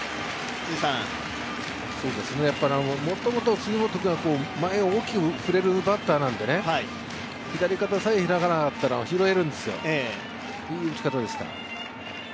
もともと杉本君は前へ大きく振れるバッターなんで左肩さえ開かなかったら拾えるんですよ、いい打ち方でした。